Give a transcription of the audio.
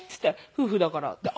「夫婦だから」って。